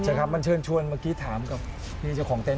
ใช่ครับมันเชิญชวนเมื่อกี้ถามกับพี่เจ้าของเต้น